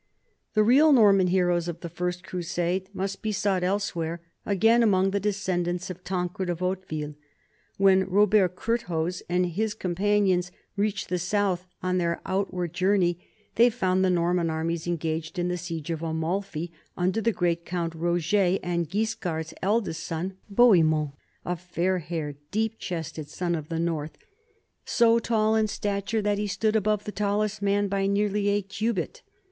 The real Norman heroes of the First Crusade must be sought elsewhere, again among the descendants of Tan cred of Hauteville. When Robert Curthose and his companions reached the south on their outward jour ney, they found the Norman armies engaged in the siege of Amain under the great Count Roger and Guis card's eldest son Bohemond, a fair haired, deep chested son of the north, "so tall in stature that he stood above the tallest men by nearly a cubit."